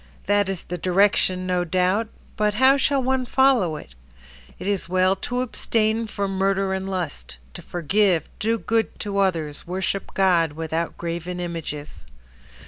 That is the direction, no doubt. But how shall one follow it? It is well to abstain from murder and lust, To forgive, do good to others, worship God Without graven images.